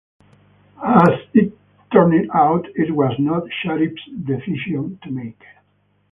As it turned out, it was not Sharif's decision to make.